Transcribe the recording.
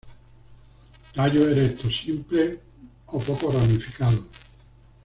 Tallos erectos, simples o poco ramificados.